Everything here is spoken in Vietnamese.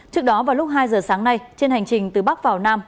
trước đó vào lúc hai giờ sáng nay trên hành trình từ bắc vào nam